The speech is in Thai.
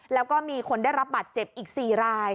แล้วก็มีคนได้รับบัตรเจ็บอีก๔ราย